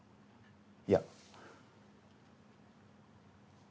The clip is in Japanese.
いや。